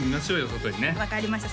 外にね分かりました